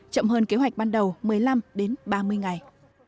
chậm hơn kế hoạch ban đầu một mươi năm đến ba mươi ngày